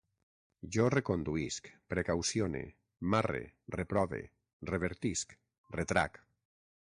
Jo reconduïsc, precaucione, marre, reprove, revertisc, retrac